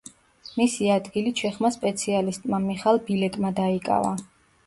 მისი ადგილი ჩეხმა სპეციალისტმა, მიხალ ბილეკმა დაიკავა.